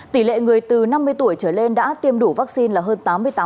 tỷ lệ người từ năm mươi tuổi trở lên đã tiêm đủ vaccine là hơn tám mươi tám